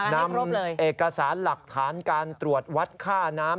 นำเอกสารหลักฐานการตรวจวัดค่าน้ำ